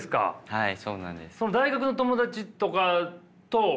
はい。